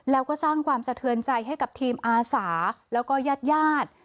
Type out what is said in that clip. แล้วก็สร้างความสะเทือนใจให้กับทีมอาสาแล้วก็ญาติญาติ